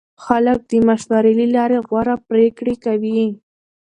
خلک د مشورې له لارې غوره پرېکړې کوي